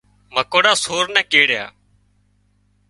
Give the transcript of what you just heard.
مڪوڙا سور نين ڪيڙيا